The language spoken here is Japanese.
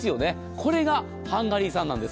これがハンガリー産なんです。